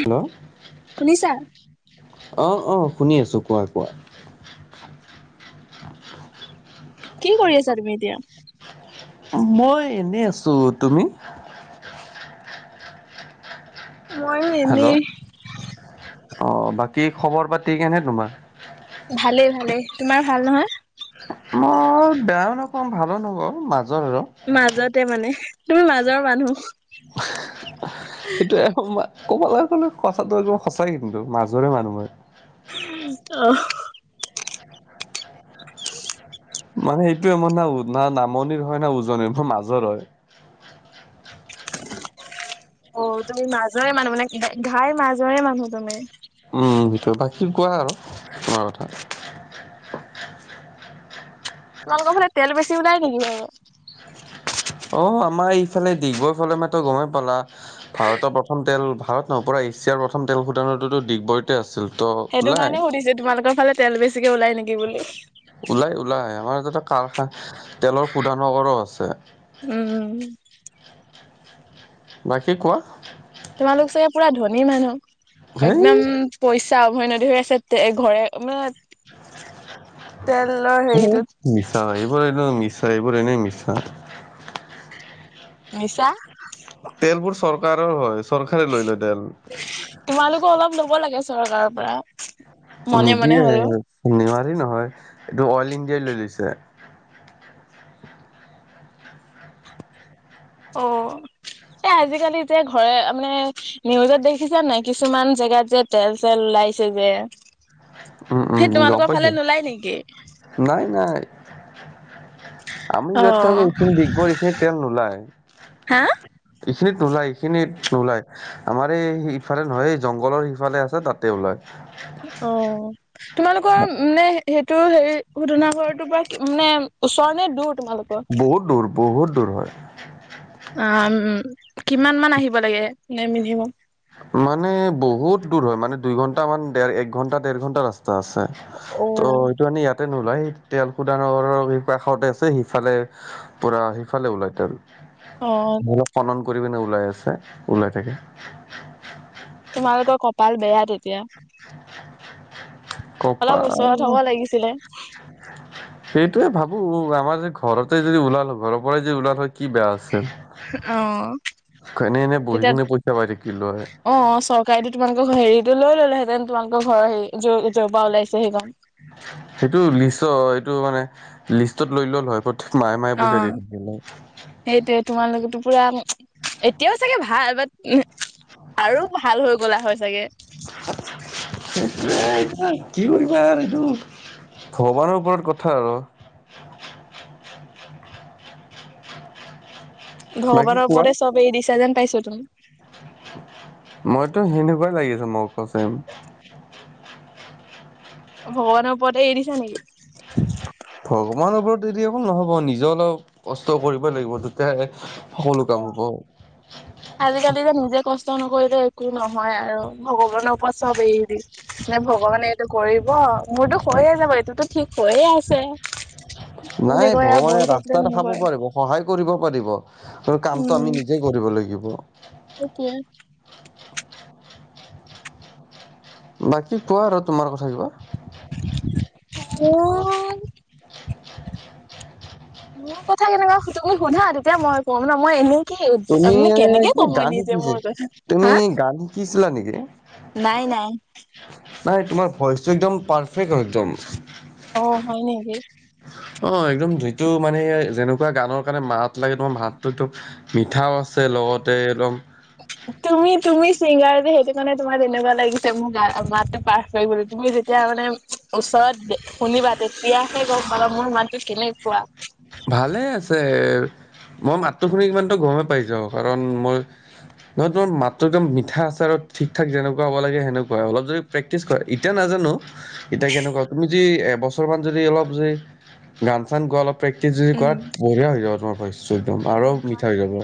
Hello শুনিছা? অ অ শুনি আছো। কোৱা কোৱা? কি কৰি আছা তুমি এতিয়া? মই এনেই আছো তুমি? ময়ো হেল্ল' এনেই। অ বাকী খবৰ পাতি কেনে তোমাৰ? ভালেই ভালেই তোমাৰ ভাল নহয়? মই বেয়াও নকওঁ ভালো নকওঁ মাজৰ আৰু। মাজতে মানে তুমি মাজৰ মানুহ। সেইটোয়ে। ক'বলৈ গ'লে কথাটো একদম সঁচাইে কিন্তু মাজৰে মানুহ মই। অ। মানে সেইটো মোৰ না না নামনিৰ হয় না উজনিৰ ম মাজৰ হয়। অ তুমি মাজৰে মানুহ মানে ঘাইৰ মাজৰে মানুহ তুমি। উম সটো বাকী কোৱা আৰু তোমাৰ কথা? তোমালোকৰ ফালে তেল বেছি ওলাই নেকি? [unintelligible] অ আমাৰ ইফালে ডিগবৈ ফালে মটো গমেই পালা ভাৰতৰ প্ৰথম তেল ভাৰত। ন পৰা এছিয়াৰ প্ৰথম তেল শোধনোগাৰ দিগবৈ। আছিল ত। সেইটো ওলাই কাৰণে সুধিছে তোমালোকৰফালে তেল বেছিকে ওলাই নেকি বুলি। ওলাই ওলাই, আমাৰ ইয়াতে কাৰখা তেলৰ শুধানগৰো আছে। উম। উম। বাকী কোৱা? তোমালোক চাগে পুৰা ধনী মানুহ। হেই একদম পইচা উভৈনদী হৈ আছে, তে ঘৰে, মানে তেলৰ এইবোৰ হেৰিটোত। মিছা, এইবোৰ এনেও মিছা। এইবোৰ এনেই মিছা। মিছা? তেলবোৰ চৰকাৰৰ হয়, চৰকাৰে লৈ লয় তেল। তোমালোকো অলপ ল'ব লাগে চৰকাৰৰপৰা। নিদিয়ে, নেৱাৰি নহয়। এইটো অইল ইণ্ডিয়াই লৈ লৈছে। অ'। এ, আজিকালি যে ঘৰে, মানে নিউজত দেখিছেনে নাই কিছুমান জেগাত যে তেল চেল ওলাইছে যে, উম সেই উম গম পাইছো তোমালোকৰফালে নোলায় নেকি? নাই নাই। আমি অ য'ত থাকোঁ, এইখিনি দিগবৈৰ এইখিনিত তেল নোলায়। হা এইখিনিত নোলায়, এইখিনিত নোলায়। আমাৰ এই ইফালে নহয়, এই জংঘলৰ সিফালে আছে, তাতে ওলায়। অ'। তোমালোকৰ মানে সেইটো হেৰি শোধনাগৰটোৰপৰা মানে ওচৰ নে দূৰ? তোমালোকৰ? বহুত দূৰ, বহুত দূৰ হয়। আম, কিমানমান আহিব লাগে, মানে মিনিমাম? মানে বহুত দূৰ হয়, মানে দুই ঘন্টা মান, দেৰ, এক ঘণ্টা, দেৰ ঘন্টা ৰাস্তা আছে। অ তো এইটো আনি ইয়াতে নোলায়, তেল সুদানাগৰৰ কাষতে আছে, সিফালে পুৰা সিফালে ওলাই তেল। অ অলপ খনন কৰি পিনে ওলাই আছে, ওলাই থাকে। তোমালোকৰ কপাল বেয়া তেতিয়া। অলপ কপাল ওচৰত হ'ব লাগিছিলে। [inaudible] এইটোয়ে ভাবোঁ আমাৰ যে ঘৰতে যদি ওলাল, ঘৰৰ পৰাই যদি ওলাল হয় কি বেয়া আছিল। এনে এনে বহি তেতিয়া কিনে পইচা পাই থাকিলোঁ হয়। অ' চৰকাৰেটো তোমালোকৰ হেৰিটো লৈ ললেহেঁতেন, তোমালোকৰ ঘৰৰ হেৰি য'ৰ য'ৰপৰা ওলাইছে সেইকন। সেইটো লিষ্ট, এইটো মানে লিষ্টত লৈ ল'ল হয়। পত মাহে মাহে পইচা অ দি থাকিল হয়। সেইটোৱে তোমালোকটো পুৰা, এতিয়াও চাগে ভাল, বাত আৰু ভাল হৈ গলা হয় চাগে। [unintelligible] কি কৰিবা আৰ এইটো, ভগৱানৰ ওপৰত কথা আৰু। বাকী ভগৱানৰ কোৱা ওপৰতে চব এৰি দিছা যেন পাইছোঁ তুমি। মইতো সেনেকুৱাই লাগি আছে, মই সঁচাই। ভগৱানৰ ওপৰতে এৰি দিছা নেকি? ভগৱানৰ ওপৰত এৰি অকল নহ'ব, নিজেও অলপ কষ্ট কৰিবই লাগিব। তেতিয়াহে এ সকলো কাম হ'ব। আজিকালি যে নিজে কষ্ট নকৰিলে একো নহয় আৰু ভগৱানৰ ওপৰত চব এৰি দি। নে ভগৱানে এইটো কৰিব, মোৰতো কৈয়ে আছে বোলে, এইটোতো ঠিক হৈয়ে আছে। বুলি নাই, কয় আৰু ভগৱানে বহি থাকিলে ৰাস্তা নহ'ব দেখাব আৰু পাৰিব। সহায় কৰিব পাৰিব, আৰু কামটো আমি নিজেই কৰিব লাগিব। সেইটোৱেই। বাকী কোৱা আৰু তোমাৰ কথা কিবা? [unintelligible] মোৰ কথা কেতিয়াবা তুমি সোধা [unintelligible] মই ক'ম ন' মই এনেই কি তুমি তাৰমানে কেনেকে কি ক'ম মই গান নিজে শিকিছে মোৰ কথা তুমি হা? গান শিকিছিলা নেকি নাই নাই। নাই তোমাৰ ভইচটো একদম পাৰফেক্ট হয় একদম। অ', হয় নেকি? অ', একদম যিটো মানে, যেনেকুৱা গানৰ কাৰণে মাত লাগে তোমাৰ মাতটো একদম মিঠাও আছে। লগতে একদম [inaudible] তুমি তুমি ছিংগাৰ যে, সেইটো কাৰণে তোমাৰ তেনেকুৱা লাগিছে মোৰ গা মাতটো পাৰফেক্ট বুলি। তুমি যেতিয়া মানে ওচৰত দে শুনিবা। তেতিয়াহে গম পাবা মোৰ মাতটো কেনেকুৱা। ভালেই আছে মই মাততো শুনি ইমানতো গমেই পাই যাওঁ। কাৰণ মই নহয় তোমাৰ মাতটো একদম মিঠা আছে। আৰু ঠিক ঠাক যেনেকুৱা হ'ব লাগে, সেনেকুৱা অলপ যদি প্ৰেক্টিছ কৰে এতিয়া নাজানো, এতিয়া কেনেকুৱা, তুমি যদি এবছৰ মান যদি অলপ যদি গান চান গোৱা। অলপ প্ৰেক্টিছ যদি কৰা উম বঢ়িয়া হৈ যাব। তোমাৰ ভইচটো একদম আৰু উম মিঠা হয়। হৈ যাব।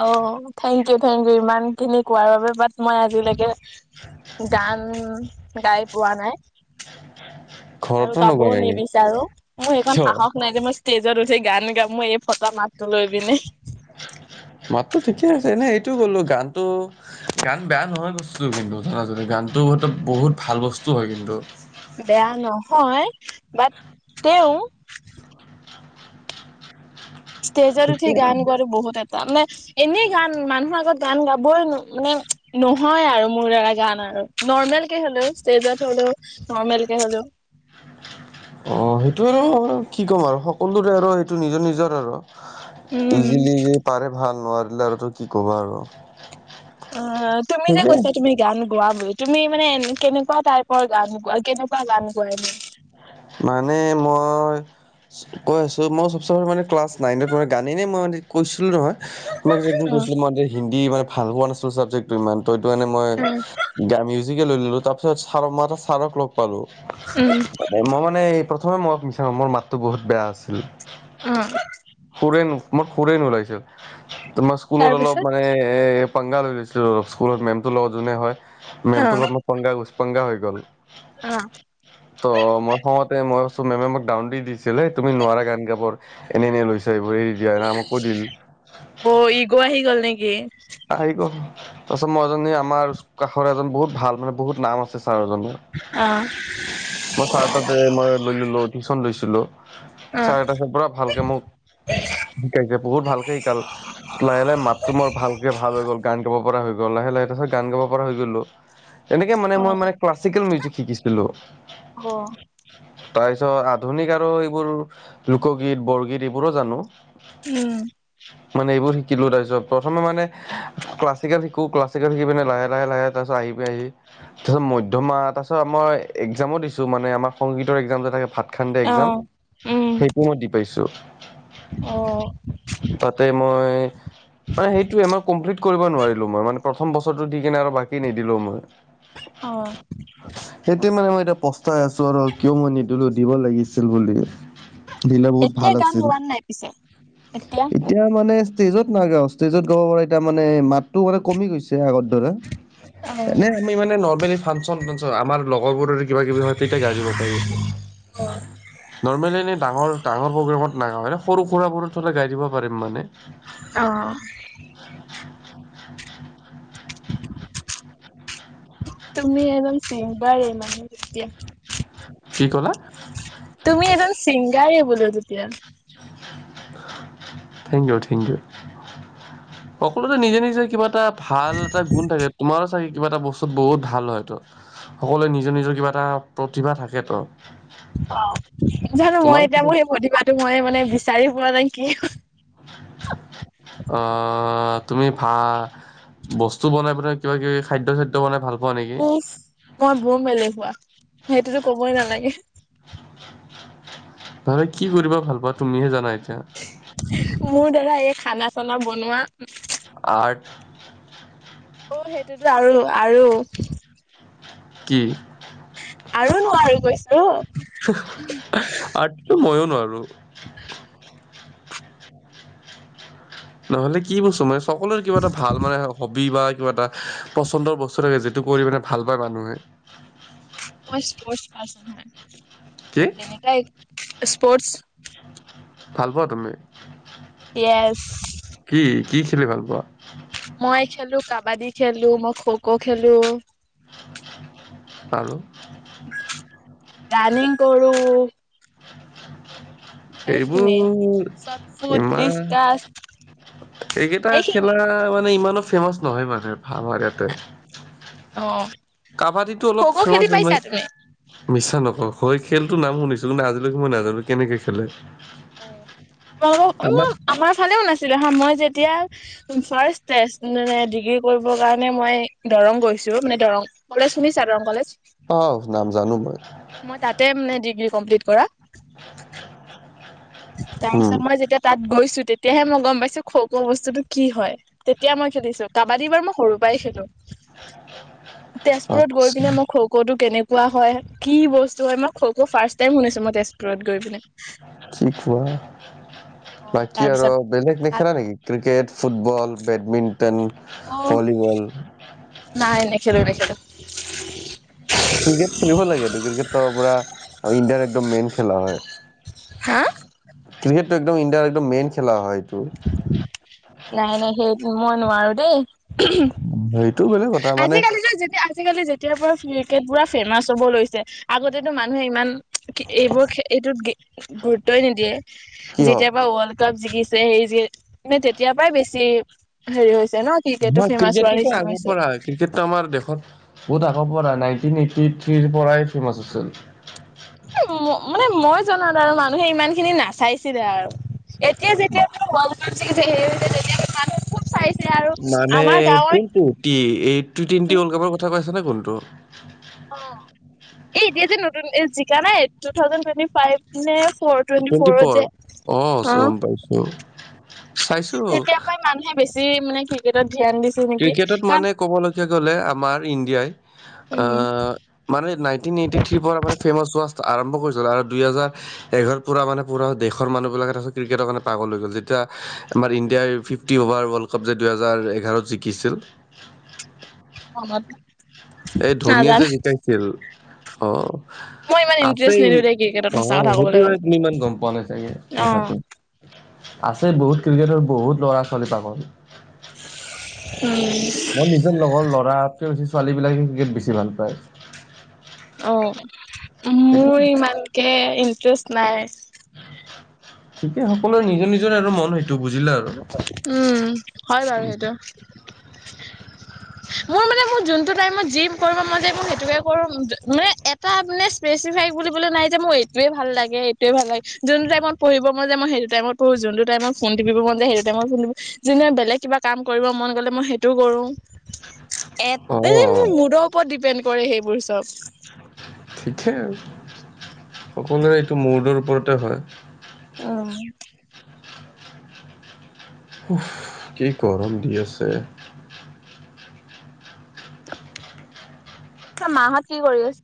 অ', থেংক ইউ, থেংক ইউ ইমান খিনি কোৱাৰ বাবে বাট মই আজিলৈকে গান গাই পোৱা নাই। আৰু ঘৰতো গাবও নোগোৱা নেকি নিবিচাৰোঁ। মোৰ সেইকণ কিয়? সাহস নাই যে মই ষ্টেজত উঠি গান গাম। মই এই ফটা মাতটো লৈ পিনে। মাতটো ঠিকে আছে। এনে এইটো বোলো গানটো গান বেয়া নহয় বস্তুটো কিন্তু, জানা যদি গানটো বহুত ভাল বস্তু হয় কিন্তু। বেয়া নহয বাট তেওঁ ষ্টেজত উঠি ঠিকে গান গোৱাটো বহুত এটা মানে এনেই গান মানুহৰ আগত গান গাবই মানে, নহয় আৰু মোৰ দাৰা গান আৰু নৰ্মেল কে হ'লেও ষ্টেজত হ'লেও নৰ্মেল কে হ'লেও। [inaudible] অ', সেইটো আৰু কি ক'ম আৰু সকলোৰে আৰু সেইটো নিজৰ নিজৰ আৰু উম ইজিলি যি পাৰে ভাল। নোৱাৰিলে আৰু টো কি ক'বা আৰু। অ', তুমি যে কৈছিলা, তুমি গান গোৱা বুলি, তুমি মানে কেনেকুৱা টাইপৰ গান গোৱা কেনেকুৱা গান গোৱাই? মানে, মই কৈ আছোঁ। মই চবচে [unintelligible] মানে ক্লাছ নাইনৰ পৰা গান [unintelligible] কৈছিলো নহয়। তোমাক যে একদিন অ কৈছিলো। মই যে হিন্দী ইমান ভাল পোৱা নাছিলোঁ, চাবজেক্টটো ইমান ত'সেইটো কাৰণে মই উম গা মিউজিকে লৈ ললো। তাৰপিছত ছাৰক মই এটা ছাৰক লগ পালোঁ। উম'। এই, মই মানে এই প্ৰথমে মই শুনিছোঁ মোৰ মাতটো বহুত বেয়া আছিল। উ', [unintelligible] মই খুৰেইন ওলাইছো। তোমাৰ স্কুলত অলপ তাৰপিছত মানে এ পাংগা লৈ লৈছিলো। স্কুলত মেমটোৰ লগত যোনে হয়। অ মেমটোৰ লগত মোক পাংগা, উষ পাংগা হৈ গ'ল। অহ', ত' মই খঙতে মই ভাবছোঁ, মেমে মোক ডাউন দি দিছিল হে তুমি নোৱাৰা গান গাব। এনে, এনে, লৈছা এইবোৰ এই জেৰা মোকো দিল। অ' ইগ' আহি গ'ল নেকি? আহ [inaudible] তাৰপিছত, মই এজনী আমাৰ কাষৰ এজন বহুত ভাল, মানে বহুত নাম আছে ছাৰ এজনৰ। অহ', মই ছাৰ তাতে মই লৈ ললো টিউশচন লৈছিলোঁ। অ ছাৰে তাৰপিছত পুৰা ভালকে মোক শিকাইছে। বহুত ভালকে শিকাল লাহে, লাহে, মাতটো মোৰ ভালকে ভাল হৈ গ'ল। গান গাব পৰা হৈ গ'ল। লাহে লাহে তাৰপিছত গান গাব পৰা হৈ গ'লো। [inaudible] তেনেকে মানে অ মই মানে ক্লাছিকেল মিউজিক শিকিছিলোঁ। অহ' তাৰপিছত আধুনিক আৰু এইবোৰ লোকগীত, বৰগীত এইবোৰো জানো। উম' মানে এইবোৰ শিকিলো তাৰপিছত প্ৰথমে মানে ক্লাছিকেল শিকো ক্লাছিকেল শিকি পিনে লাহে লাহে লাহে। তাৰ পাছত আহি প আহি তাৰপিছত মধ্যমাহ তাৰ পিছত আমাৰ এক্সাম দিছো মানেমাৰ সংগত একসাম থে ভাত। খানডে অ এক্জাম উম সেইটোও মই দি পাইছো। অ তাতে মই। অ' সেইটোমই কমপ্লিট কৰিব নোৱাৰিলো মই মানে প্ৰথম বছৰো দি কিনে আৰু বাকী নিদিলো মই। অ' সেইটোয় মানে মই এতিয়া পস্তাই আছো আৰু কিয় মই নিদিলো দিব লাগিছিল বুলি। দিলে বহুত এতিয়া ভাল গান আছিল গোৱা নাই পিছে এতিয়া। এতিয়া মানে ষ্টেজত নাগাওঁ ষ্টেজত গাব পাৰ এতিয়া মানে মাতটো মানে কমি গৈছে আগ এনে অ', আমি মানে ন ফাংন আমাৰ লগৰ বোৰ কিবা কিবি হয় তেতিয়া গা়ই দিব পাৰো। অ' নৰ্মেলি এনে ডাঙৰ ডাঙৰ প্ৰগ্ৰত নাওঁ সৰু সুৰাবোৰত থলে গাই দিব পাৰিম মানে। অ' [inaudible] তুমি একদম চে বাৰে মানে তেতিয়া কি কলা তুমি এজনজন ছিংগাৰ হ বুলতিয়া থেংক ইউ থেংক ইউ। [inaudible] সকলোতে নিজে নিজে কিবা এটা ভাল এটা গুণ থাকে তোমাৰো চাগে কিবা এটা বস্তুত বহুত ভাল হয়তো। সকলোৱে নিজৰ নিজৰ কিবা এটা প্ৰতিভা থাক তো। অ' নজানো মই এতিয়া মোৰ সেই প্ৰতিভাটো মই মানে বিচাৰি পোৱা নাই কি [inaudible] অ' তুমি ভা বস্তু বনাই পেলাই কিবা কিবি খাদ্য খাদ্য। টো মানে ভাল পোৱা নেকি উফ মই বোম হুৱোৱা সেইটোতো কবই নালাগে। নহলে কি কৰিবা ভাল পোৱাা তুমিহে জানা এতিয়া। মোৰ দাৰা এই খানা চানা বনোৱা। আৰ্ট। অ' সেইটোতো আৰু আৰু। কি আৰু নোৱাৰি কৈছোঁ [unintelligible] মইও নোৱাৰো। [inaudible] নহ'লে কি বস্তো মানে সকলোৰে কিবা এটা ভাল মানে হবি বা কিবা এটা। পচন্দৰ বস্তু থাকে যিটো কৰি মানে ভাল পায় মানুহে। মোৰ স্পৰ্ট পাৰ্চন কি হয় তেনেক স্পৰ্ট। ভাল পোৱা তুমি য়েছ। কি কি খেলি ভাল পোৱা মই খেলো কাবাডী খেলো মই খ খো খেলো। আৰু ৰানিনং কৰো। সেইখিনি এইবোৰ চট ফুট ইমান ডিচকাচ এইকেইটা সেইখিনি খেলা মানে ইমানো ফেমাচ নহয় মানে আমাৰ ইয়াতে। অ'। কাবাডীটো অলপ ফেমাচ হয়, মা মিছা নকওঁ হয় খেলটো নাম শুনিছোঁ কিন্তু আজিলৈকে মই নাজানো কেনেকে খেলে। তোমালোক উম, আমাৰ আমাৰফালেও নাছিলে হা, মই যেতিয়া ফাৰ্ষ্ট টেষ্ট নে ডিগ্ৰী কৰিবৰ কাৰণে মই দৰং গৈছোঁ, মানে দৰং কলেজ শুনিছা, দৰং কলেজ? অ' নাম জানো মই। মই তাতে মানে ডিগ্ৰী কমপ্লিট কৰা। [inaudible] উম তাৰপিছত মই যেতিয়া তাত গৈছোঁ, তেতিয়াহে মই গম পাইছোঁ খ খ বস্তুটো কি হয়। তেতিয়া মই খেলিছো, কাবাডী বাৰু মই সৰুৰ পৰাই খেলো। তেজপুৰত গৈ আচ্ছা পিনে মই খৌ ক'তো কেনেকুৱা হয়, কি বস্তু হয়, মই খৌক' ফাৰ্ষ্ট টাইম শুনিছত মই তেজপুৰত গৈ পিনে। যি কোৱা, বাকী আৰু তাৰপিছত বেলেগ তাত নেখেলা নেকি? ক্ৰিকেট, ফুটবল, বেডমিণ্টন, অ' ভলীবল। নাই, নেখেলো নেখেলো। ক্ৰিকেট খেলিব লাগেটো, ক্ৰিকেটো পুৰা ইণ্ডিয়াৰ একদম মেইন খেলা হয়। হা? ক্ৰিকেটটো একদম ইণ্ডিয়াৰ একদম মেইন খেলা হয় এইটো। নাই, নাই সেইটো মই নোৱাৰো দেই। সেইটো বেলেগ কথা মানে আজিকালি যে যেতিয়া আজিকালি যেতিয়াৰপৰা ক্ৰিকেট পুৰা ফেমাচ হ'ব লৈছে, আগতেতো মানুহে ইমান কি এইবোৰক, এইটোত কি গুৰুত্বই নিদিয়ে, কিহত যেতিয়াপৰা ৱৰ্ল্ড কাপ জিকিছে, হেৰি জি মানে তেতিয়াৰ পৰাই বেছি হেৰি হৈছে ন'? ক্ৰিকেটটো মই ফেমাচ ক্ৰিকেট হোৱাৰ কিন্তু নিচিনা হৈছে। আগৰপৰাই। ক্ৰিকেটটো আমাৰ দেশত বহুত আগৰ পৰাই, নাইনটিন এইটি থ্ৰীৰ পৰাই ফেমাচ হৈছিল। উম, ম মানে মই জনাত আৰু মানুহে ইমানখিনি নাচাইছিলে আৰু। এতিয়া যেতিয়া পৰা ৱৰ্ল্ড কাপ জিকিছে হে, তেতিয়া মানুহে খুব চাই। মানে কোনটো? টি এই টি টুৱেণ্টি ৱৰ্ল্ড কাপৰ কথা কৈ আছা নে কোনটো? অ'। এই এতিয়া যে নতুন এই জিকা নাই এ, টো থাউছেণ্ড টুৱেন্টি ফাইভ নে ফৰ্থ টুৱেণ্টি ফৰ, অ' গ'ম পাইছো, চাইছোঁ। তেতিয়াৰ পৰাই মানুহে বেছি মানে ক্ৰিকেটত ধ্যান দিছে নেকি, কাৰণ ক'বলৈকে গ'লে আমাৰ ইণ্ডিয়াই আ উম মানে নাইনটিন এইটি থ্ৰীৰপৰা মানে ফেমাছ হোৱা ষ্টাৰ্ট আৰম্ভ কৰিছিল, আৰু দুইহেজাৰ এঘাৰত পুৰা মানে পুৰা দেশৰ মানুহবিলাক তাৰপিছত ত্ৰিকেটৰ কাৰণে পাগল হৈ গ'ল। যেতিয়া আমাৰ ইণ্ডিয়াই ফিফ ফিফটি অভাৰ ৱৰ্ল্ডাকাপ যে দুইহেজাৰ এঘাৰত জিকিছিল। [unintelligible] এই ধনীয়ে যে নাজানো জিকাইছিল, অ'। মই ইমান ইন্টাৰেষ্ট আছেই নিদো দেই ক্ৰিকেটত সঁচা কথা অ' সেইটো ক'বলৈ কাৰণে গ'লে। তুমি ইমান গ'ম পোৱা নাই চাগে অ কথাটো। আছে বহুত, ক্ৰিকেটৰ বহুত ল'ৰা ছোৱালী পাগল। উম। মোৰ নিজৰ লগত ল'ৰাতকে বেছি ছোৱালীবিলাকে ক্ৰিকেট বেছি ভাল পায়। অ' সেইটো মোৰ ইমানকে ইন্টাৰেষ্ট নাই। ঠিকে, সকলোৰে নিজৰ নিজৰ আৰু মন সেইটো, বুজিলা আৰু। উম, হয় বাৰু হেইটো। মোৰ মানে মোৰ যোনটো টাইমত যি কৰিব মন যায় মই সেইটোৱেই কৰোঁ, মানে এ এটা মানে স্পেচিফাই বুলিবলে নাই যে মোৰ এইটোয়ে ভাল লাগে, এইটোয়ে ভাল লাগে, যোনটো টাইমত পঢ়িব মই যে, মই সেইটো টাইমত পঢ়ো, যোনটো টাইমত ফোন টিপিব মন যায়, সেইটো টাইমত ফোন টিপো, যোনদিনা বেলেগ কিবা কাম কৰিব মন গ'লে, মই সেইটো কৰোঁ। এ, অ মানে মোৰ মুডৰ ওপৰত ডিপেণ্ড কৰে সেইবোৰ চব। ঠিকেইে আৰু, সকলোৰে এইটো মুডৰ ওপৰতে হয়। অ'। উফ্! কি গৰম দি আছে। মাহঁত কি কৰি আছে?